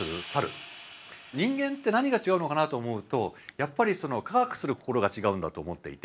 人間って何が違うのかなと思うとやっぱり科学する心が違うんだと思っていて。